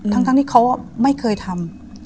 ทั้งที่เขาไม่เคยทำ